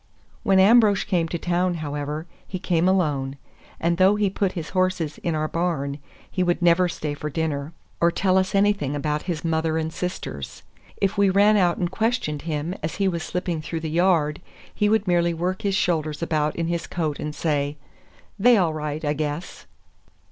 When Ambrosch came to town, however, he came alone, and though he put his horses in our barn, he would never stay for dinner, or tell us anything about his mother and sisters. If we ran out and questioned him as he was slipping through the yard, he would merely work his shoulders about in his coat and say, "They all right, I guess."